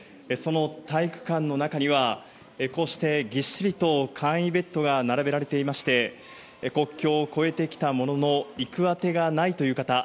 その体育館の中にはこうして、ぎっしりと簡易ベッドが並べられていまして国境を越えてきたものの行く当てがないという方